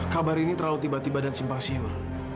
kabar ini terlalu tiba tiba dan simpang siur